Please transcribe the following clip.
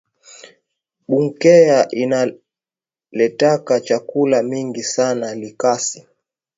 Bunkeya inaletaka chakula mingi sana likasi